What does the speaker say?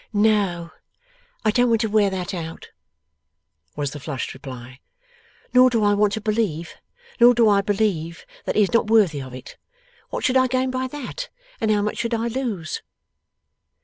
'No. I don't want to wear that out,' was the flushed reply, 'nor do I want to believe, nor do I believe, that he is not worthy of it. What should I gain by that, and how much should I lose!